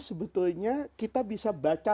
sebetulnya kita bisa baca